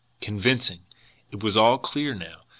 Convincing! It was all clear enough now!